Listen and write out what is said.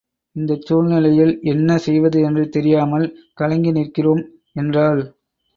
இந்தச் சூழ் நிலையில் என்ன செய்வது என்று தெரியாமல் கலங்கி நிற்கிறோம் என்றாள்.